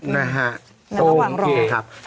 นะฮะโอเค